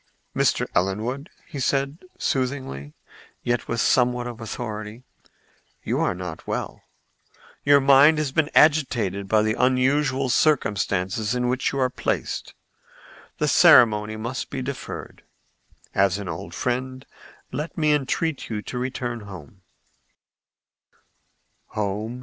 "Mr. Ellenwood," said he, soothingly, yet with somewhat of authority, "you are not well. Your mind has been agitated by the unusual circumstances in which you are placed. The ceremony must be deferred. As an old friend, let me entreat you to return home."